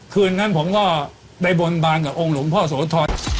คืนนั้นผมก็ได้บนบานกับองค์หลวงพ่อโสธร